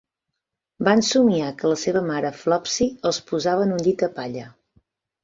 Van somniar que la seva mare Flopsy els posava en un llit de palla.